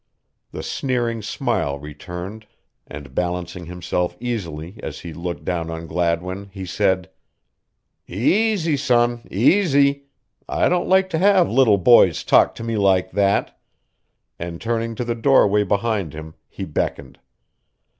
The sneering smile returned and balancing himself easily as he looked down on Gladwin, he said: "Easy, son easy. I don't like to have little boys talk to me like that," and turning to the doorway behind him he beckoned.